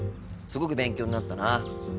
すごく勉強になったな。